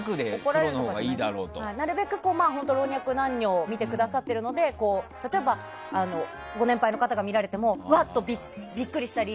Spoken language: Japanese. なるべく老若男女が見てくださってるので例えば、ご年配の方が見られてもビックリしたり